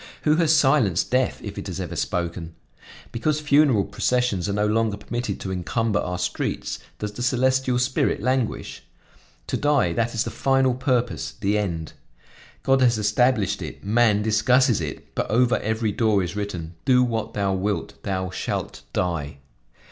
Who has silenced death if it has ever spoken? Because funeral processions are no longer permitted to encumber our streets, does the celestial spirit languish? To die, that is the final purpose, the end. God has established it, man discusses it; but over every door is written: 'Do what thou wilt, thou shalt die.'